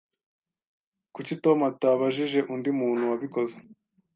Kuki Tom atabajije undi muntu wabikoze?